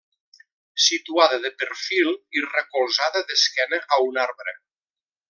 Situada de perfil i recolzada d'esquena a un arbre.